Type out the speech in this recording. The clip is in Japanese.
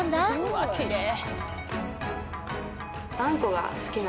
うわきれい。